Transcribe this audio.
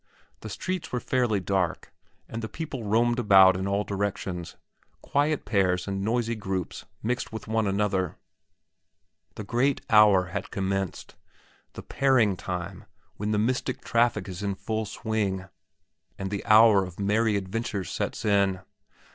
The streets were fairly dark, and the people roamed about in all directions, quiet pairs and noisy groups mixed with one another. The great hour had commenced, the pairing time when the mystic traffic is in full swing and the hour of merry adventures sets in.